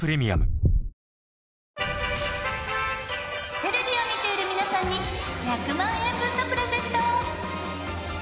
テレビを見ている皆さんに１００万円分のプレゼント。